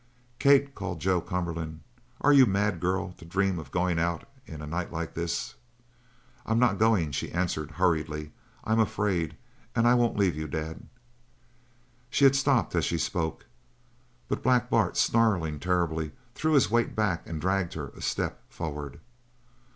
"Kate!" called Joe Cumberland. "Are you mad, girl, to dream of goin' out in a night like this?" "I'm not going!" she answered hurriedly. "I'm afraid and I won't leave you, Dad!" She had stopped as she spoke, but Black Bart, snarling terribly, threw his weight back, and dragged her a step forward.